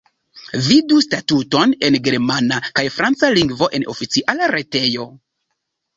Vidu statuton en germana kaj franca lingvo en oficiala retejo.